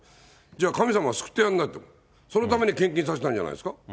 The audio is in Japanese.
じゃあ、神様が救ってやんないと、そのために献金させたんじゃないですか。